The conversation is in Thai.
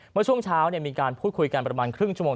เมื่อช่วงเช้ามีการพูดคุยกันประมาณครึ่งชั่วโมง